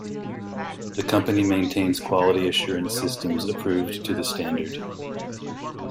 The company maintains quality assurance systems approved to the standard.